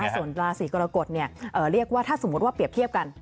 ส่วนราศีกรกฎเรียกว่าถ้าสมมุติว่าเปรียบเทียบกัน